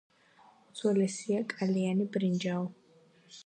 უძველესია კალიანი ბრინჯაო.